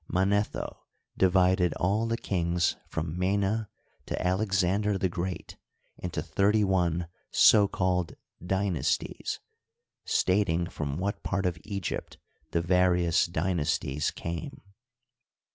Manetho divided all the kingp from Mena to Alexander the Great into thirty one so called dynasties, stating from what part of Egypt the various dynasties came.